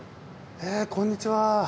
えこんにちは。